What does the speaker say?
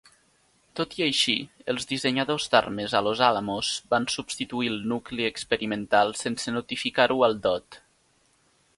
Tot i així, els dissenyadors d'armes a Los Alamos van substituir el nucli experimental sense notificar-ho al DoD.